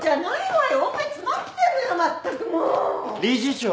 理事長。